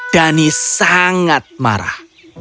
danis sangat marah